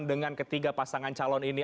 dengan ketiga pasangan calon ini